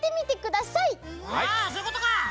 あそういうことか！